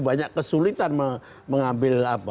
banyak kesulitan mengambil